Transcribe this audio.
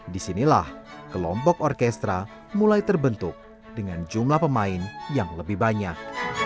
disinilah kelompok orkestra mulai terbentuk dengan jumlah pemain yang lebih banyak